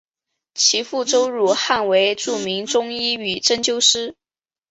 其父周汝汉为著名中医与针灸师。